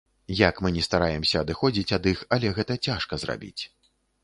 Як мы ні стараемся адыходзіць ад іх, але гэта цяжка зрабіць.